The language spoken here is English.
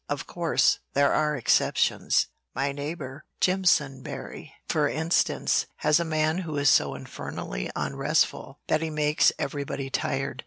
Of course, there are exceptions. My neighbor Jimpsonberry, for instance, has a man who is so infernally unrestful that he makes everybody tired.